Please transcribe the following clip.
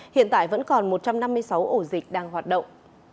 hiện tại vẫn còn một trăm năm mươi sáu ổ dịch đang hoạt động